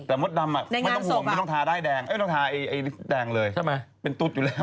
แต่จนทีมวัดดำไม่ต้องห่วงไม่ต้องทาทาเล็บนิตือเลย